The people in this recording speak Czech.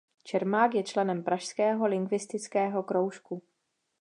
Čermák je členem Pražského lingvistického kroužku.